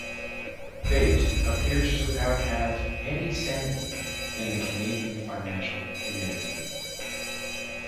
Bate, appears to have had any standing in the Canadian financial community.